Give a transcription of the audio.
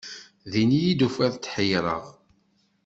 Din iyi-d tufiḍ tḥeyṛeɣ.